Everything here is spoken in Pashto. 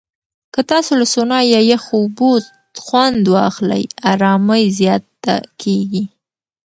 که تاسو له سونا یا یخو اوبو خوند واخلئ، آرامۍ زیاته کېږي.